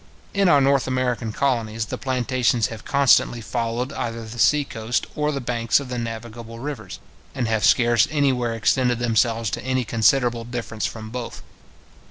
In our North American colonies, the plantations have constantly followed either the sea coast or the banks of the navigable rivers, and have scarce anywhere extended themselves to any considerable distance from both.